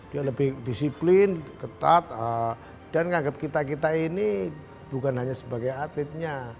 dia lebih disiplin ketat dan menganggap kita kita ini bukan hanya sebagai atletnya